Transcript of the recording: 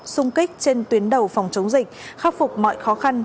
xung kích trên tuyến đầu phòng chống dịch khắc phục mọi khó khăn